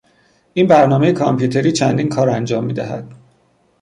این برنامهی کامپیوتری چندین کار انجام میدهد.